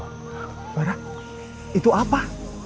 sembarang itu apa